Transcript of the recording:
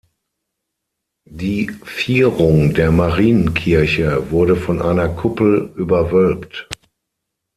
Die Vierung der Marienkirche wurde von einer Kuppel überwölbt.